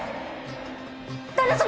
旦那様！